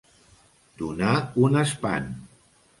Donar un espant.